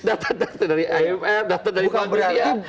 data data dari imr data dari bank dunia